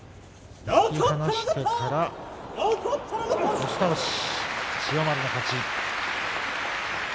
押し倒し、千代丸の勝ち。